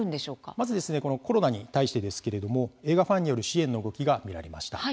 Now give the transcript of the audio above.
まずコロナに対してですけれども映画ファンによる支援の動きが見られました。